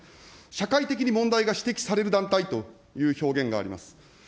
社会的に問題が指摘される団体という表現があります。